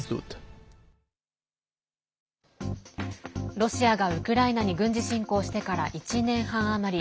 ロシアがウクライナに軍事侵攻してから１年半余り。